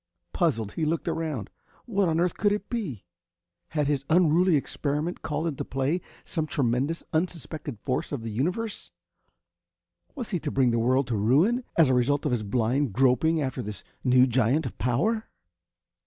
Puzzled, he looked around. What on earth could it be? Had his unruly experiment called into play some tremendous, unsuspected force of the universe. Was he to bring the world to ruin, as a result of his blind groping after this new giant of power?